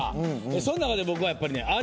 その中で僕はやっぱりね。